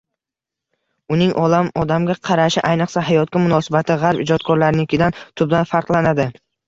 Uning olam, odamga qarashi, ayniqsa, hayotga munosabati g‘arb ijodkorlarinikidan tubdan farqlanadi